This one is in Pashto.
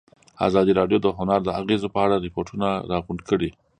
ازادي راډیو د هنر د اغېزو په اړه ریپوټونه راغونډ کړي.